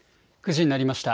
９時になりました。